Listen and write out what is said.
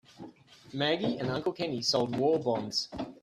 Maggie and Uncle Kenny sold war bonds.